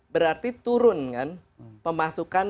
berarti turun kan pemasukan